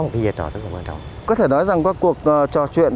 một cái giai trò rất là quan trọng có thể nói rằng các cuộc trò chuyện